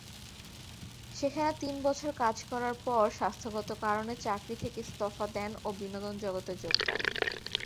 সেখানে তিন বছর কাজ করার পর স্বাস্থ্যগত কারণে চাকরি থেকে ইস্তফা দেন ও বিনোদন জগতে যোগ দেন।